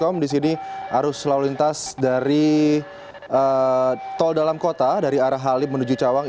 kalau anda ingin mengetahui masa yang baru datang ke depan bedung pager mpr dpr sudah berkumpul dengan masa yang baru datang ke depan bedung pager mpr dpr